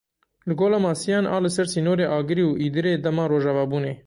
Li Gola Masiyan a li ser sînorê Agirî û Îdirê dema rojavabûnê.